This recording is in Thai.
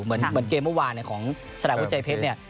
เหมือนเกมเมื่อวานของสารวุฒิใจเพชรเนี่ย